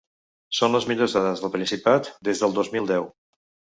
Són les millors dades del Principat des del dos mil deu.